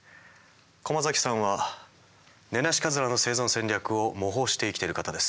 駒崎さんはネナシカズラの生存戦略を模倣して生きている方です。